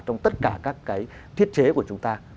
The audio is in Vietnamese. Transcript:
trong tất cả các cái thiết chế của chúng ta